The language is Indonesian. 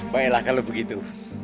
baiklah kalau begitu